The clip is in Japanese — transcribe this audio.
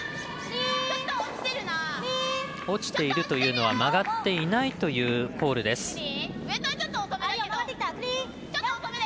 落ちているというのは曲がっていないというコールです。